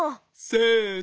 せの。